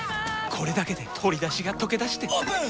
これだけで鶏だしがとけだしてオープン！